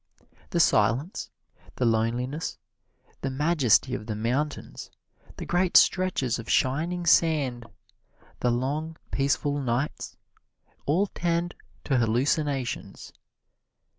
The silence, the loneliness, the majesty of the mountains, the great stretches of shining sand, the long peaceful nights, all tend to hallucinations.